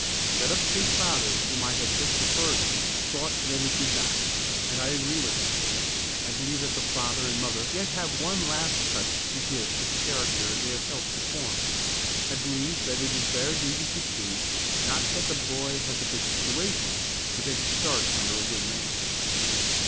That up state father whom I have just referred to thought that it did not; and I agree with him. I believe that the father and mother yet have that one last touch to give to the character they have helped to form. I believe it is their duty to see, not that the boy has a good situation, but that he starts under a good man.